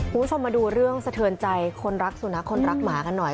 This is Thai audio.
คุณผู้ชมมาดูเรื่องสะเทือนใจคนรักสุนัขคนรักหมากันหน่อย